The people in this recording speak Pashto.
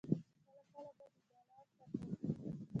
کله کله به د دالان پر لرګي.